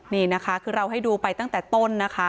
นี่นะคะคือเราให้ดูไปตั้งแต่ต้นนะคะ